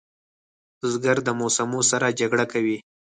بزګر د موسمو سره جګړه کوي